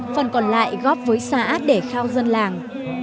phần còn lại góp với xã để khao dân làng